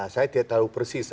saya tidak tahu persis